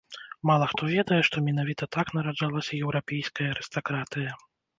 Мала хто ведае, што менавіта так нараджалася еўрапейская арыстакратыя.